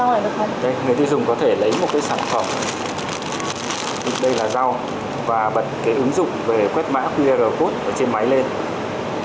người tiêu dùng có thể lấy một cái sản phẩm đây là rau và bật cái ứng dụng về quét mã qr code ở trên máy lên